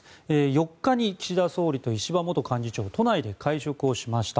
４日に岸田総理と石破元幹事長が都内で会食をしました。